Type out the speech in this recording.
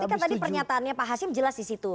tapi kan tadi pernyataannya pak hasim jelas di situ